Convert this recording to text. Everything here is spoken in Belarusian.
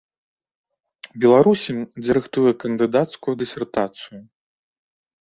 Беларусі, дзе рыхтуе кандыдацкую дысертацыю.